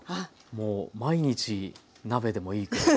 もう毎日鍋でもいいくらい。